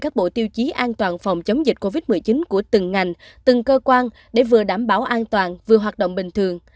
các bộ tiêu chí an toàn phòng chống dịch covid một mươi chín của từng ngành từng cơ quan để vừa đảm bảo an toàn vừa hoạt động bình thường